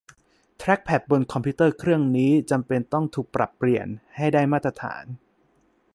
แทร็คแพ็ดบนคอมพิวเตอร์เครื่องนี้จำเป็นต้องถูกปรับเปลี่ยนให้ได้มาตรฐาน